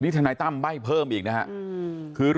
ทนายตั้มใบ้เพิ่มอีกนะครับ